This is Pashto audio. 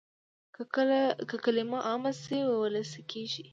که کلمه عامه شي وولسي کېږي.